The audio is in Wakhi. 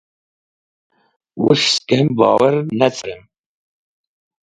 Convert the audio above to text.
Wus̃h sẽkam bowar ne carẽm.